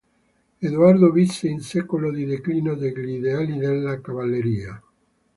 Edoardo visse in un secolo di declino degli ideali della cavalleria.